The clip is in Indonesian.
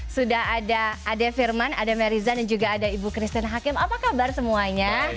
sudah ada ade firman ada mary zon dan juga ada ibu christine hakim apa kabar semuanya